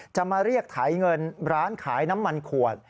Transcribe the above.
จะมาเรียกไถเงินร้านขายน้ำมันขวด